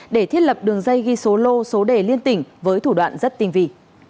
để thiết lập đường dây ghi số lô số đề liên tỉnh với thủ đoạn rất tinh vị